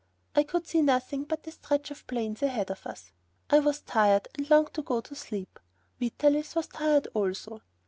I could see nothing but a stretch of plains ahead of us. I was tired, and longed to go to sleep. Vitalis was tired also.